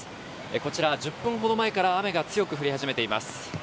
こちら、１０分ほど前から雨が強く降り始めています。